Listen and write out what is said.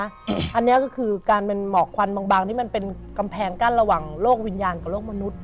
อันนี้ก็คือการเป็นหมอกควันบางที่มันเป็นกำแพงกั้นระหว่างโลกวิญญาณกับโลกมนุษย